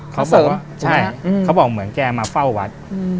เขาบอกว่าเหมือนแกมาเฝ้าวัด